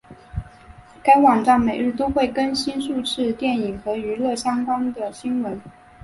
该网站每日都会更新数次电影和娱乐相关的新闻。